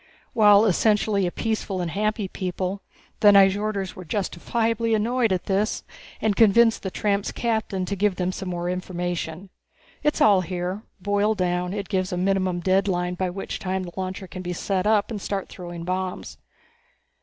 While essentially a peaceful and happy people, the Nyjorders were justifiably annoyed at this and convinced the tramp's captain to give them some more information. It's all here. Boiled down, it gives a minimum deadline by which time the launcher can be set up and start throwing bombs."